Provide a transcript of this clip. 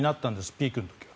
ピークの時は。